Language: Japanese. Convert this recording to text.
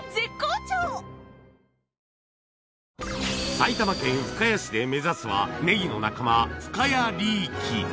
埼玉県深谷市で目指すはねぎの仲間深谷リーキ